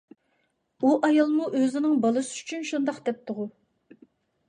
ئۇ ئايالمۇ ئۆزىنىڭ بالىسى ئۈچۈن شۇنداق دەپتىغۇ؟